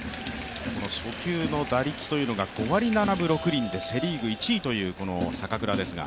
初球の打率というのが５割７分６厘でセ・リーグ１位という坂倉ですが